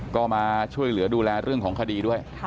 ก็มาช่วยเหลือดูแลเรื่องของคดีด้วย